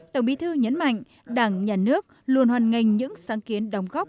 tổng bí thư nhấn mạnh đảng và nhà nước luôn hoàn nghênh những sáng kiến đồng góp